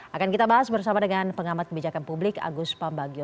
akan kita bahas bersama dengan pengamat kebijakan publik agus pambagio